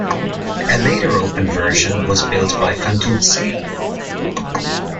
A later open version was built by Fantuzzi.